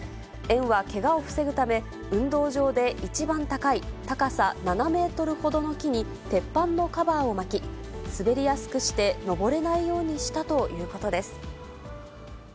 園はけがを防ぐため、運動場で一番高い高さ７メートルほどの木に鉄板のカバーを巻き、滑りやすくして、登れないようにしたということです。